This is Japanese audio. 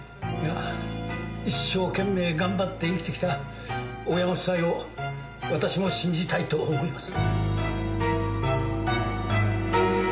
一生懸命頑張って生きてきた大山夫妻を私も信じたいと思います。